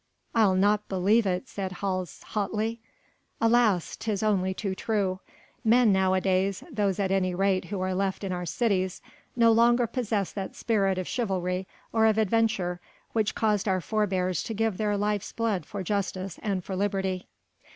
"I'll not believe it," said Hals hotly. "Alas, 'tis only too true! Men nowadays those at any rate who are left in our cities no longer possess that spirit of chivalry or of adventure which caused our forebears to give their life's blood for justice and for liberty."